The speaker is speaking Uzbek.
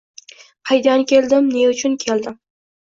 Qaydan keldim? Ne uchun keldim?